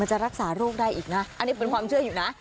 จะรักษาโรคได้อีกนะอันนี้เป็นความเชื่ออยู่นะ